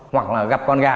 hoặc là gặp con gà